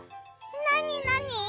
なになに？